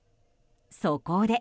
そこで。